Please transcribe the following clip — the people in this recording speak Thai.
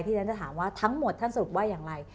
ฉันจะถามว่าทั้งหมดท่านสรุปว่าอย่างไร